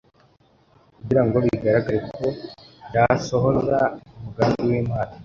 kugira ngo bigaragare ko ryasohoza umugambi w’Imana